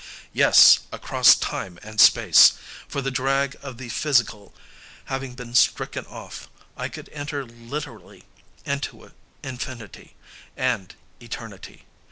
Yes, across time and space! for the drag of the physical having been stricken off, I could enter literally into infinity and eternity.